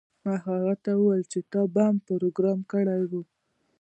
ما هغه ته وویل چې تا بم پروګرام کړی و